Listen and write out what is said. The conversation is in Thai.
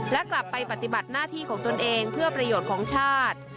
และกลับไปปฏิบัติหน้าที่ของตนเองเพื่อประโยชน์ของชาติ